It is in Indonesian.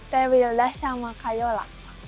teh wildas sama kayola